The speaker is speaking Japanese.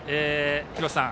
廣瀬さん